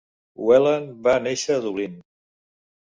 Whelan va néixer a Dublín.